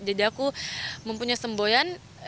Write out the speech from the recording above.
jadi aku mempunyai semboyan